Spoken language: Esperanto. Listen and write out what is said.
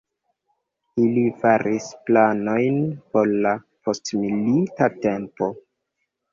Ili faris planojn por la postmilita tempo.